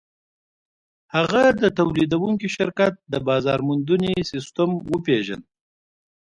هغه د تولیدوونکي شرکت د بازار موندنې سیسټم وپېژند